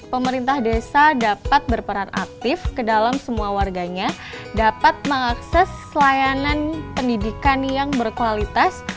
pemerintah desa dapat berperan aktif ke dalam semua warganya dapat mengakses layanan pendidikan yang berkualitas